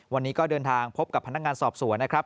วันนี้ก็เดินทางพบกับพนักงานสอบสวนนะครับ